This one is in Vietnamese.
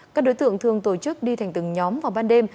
các đối tượng thường tổ chức đi thành từng nhóm vào ban đêm